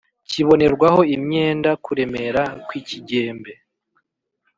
Kiboherwaho imyenda kuremera kw ikigembe